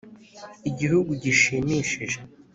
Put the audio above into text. igihugu gishimishije